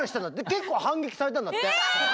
結構反撃されたんだって。え！？